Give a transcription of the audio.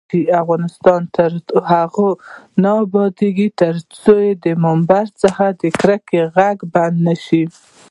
افغانستان تر هغو نه ابادیږي، ترڅو د ممبر څخه د کرکې غږ بند نشي.